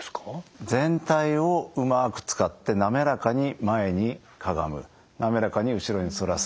全体をうまく使って滑らかに前にかがむ滑らかに後ろに反らす。